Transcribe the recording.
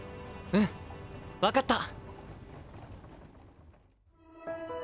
うん分かった。